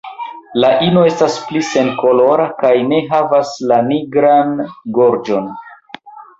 La ino estas pli senkolora kaj ne havas la nigran gorĝon.